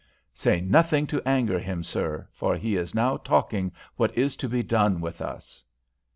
Say nothing to anger him, sir, for he is now talking what is to be done with us."